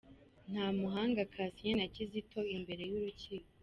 Ntamuhanga Cassien na Kizito imbere y’urukiko.